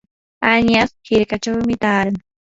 añas hirkachawmi taaran.